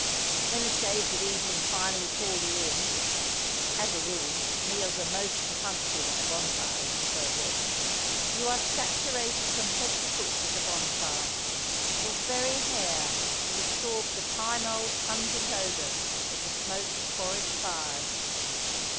When the shades of evening finally call you in (as a rule, meals are most perfunctory when a bonfire is in progress) you are saturated from head to foot with the bonfire, your very hair has absorbed the time old pungent odour of the smoke of forest fires.